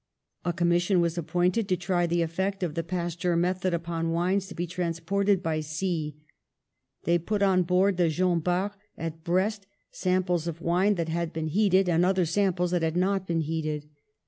A commission was appointed to try the effect of the Pasteur method upon wines to be trans ported by sea. They put on board the Jean Bart at Brest samples of wine that had been FOR THE NATIONAL WEALTH 81 heated and other samples that had not been heated.